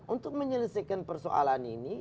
untuk menyelesaikan persoalan ini